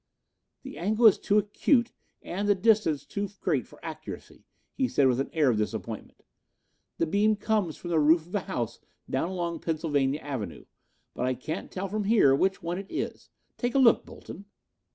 "The angle is too acute and the distance too great for accuracy," he said with an air of disappointment. "The beam comes from the roof of a house down along Pennsylvania Avenue, but I can't tell from here which one it is. Take a look, Bolton."